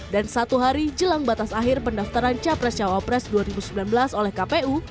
dan satu hari jelang batas akhir pendaftaran capres cawa pres dua ribu sembilan belas oleh kpu